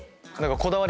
こだわり？